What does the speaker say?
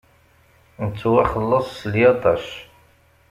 Nettwaxellaṣ s lyaṭac.